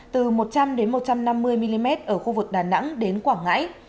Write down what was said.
từ một trăm linh một trăm năm mươi mm ở khu vực đà nẵng đến quảng ngãi